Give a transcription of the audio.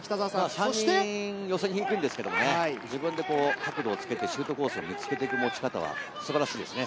３人、寄せに行くんですけれど、自分で角度をつけてシュートコースを見つけていくのは素晴らしいですね。